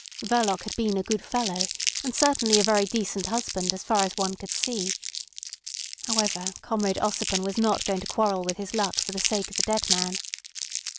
Verloc had been a good fellow, and certainly a very decent husband as far as one could see. However, Comrade Ossipon was not going to quarrel with his luck for the sake of a dead man.